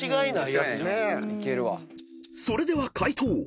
［それでは解答］